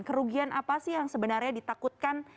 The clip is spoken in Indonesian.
kerugian apa sih yang sebenarnya ditakutkan